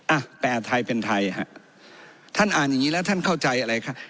อ่ะแต่ไทยเป็นไทยฮะท่านอ่านอย่างงี้แล้วท่านเข้าใจอะไรคะ